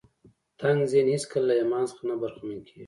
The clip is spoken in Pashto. تنګ ذهن هېڅکله له ايمان څخه نه برخمن کېږي.